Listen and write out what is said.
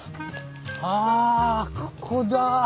あここだ。